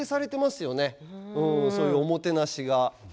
そういうおもてなしが。